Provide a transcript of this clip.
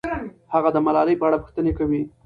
هغه د ملالۍ په اړه پوښتنې کوي.